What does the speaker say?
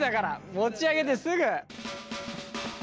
持ち上げてすぐ！